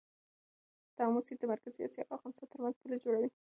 د امو سیند د مرکزي اسیا او افغانستان ترمنځ پوله جوړوي.